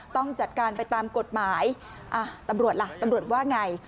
ต้องจัดการไปตามกฎหมายตำรวจล่ะตำรวจว่าไง